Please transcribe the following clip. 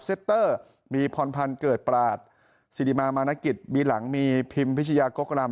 เตอร์มีพรพันธ์เกิดปราศสิริมามานกิจบีหลังมีพิมพิชยากกรำ